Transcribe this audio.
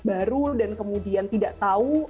baru dan kemudian tidak tahu